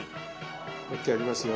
もう一回やりますよ。